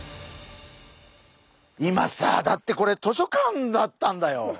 今さだってこれ図書館だったんだよ。